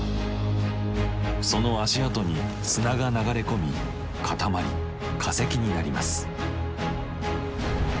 その足跡に砂が流れ込み固まり化石になります。